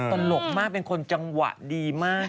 ตลกมากเป็นคนจังหวะดีมาก